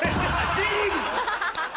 Ｊリーグの？